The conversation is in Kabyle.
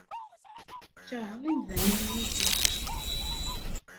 Kerheɣ imdanen am wiyi.